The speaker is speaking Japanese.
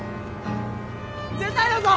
絶対だぞ！